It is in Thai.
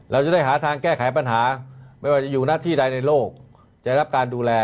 เราจะได้หาทางแก้ไขปัญหาไม่ว่าจะอยู่หน้าที่ใดในโลกจะรับการดูแล